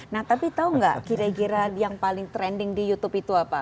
nah tapi tahu nggak kira kira yang paling trending di youtube itu apa